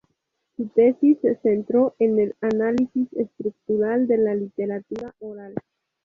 Su tesis se centró en el análisis estructural de la literatura oral.